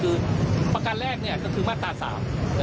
คือประกันแรกก็คือมาตรา๓